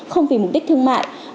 không vì mục đích thương mại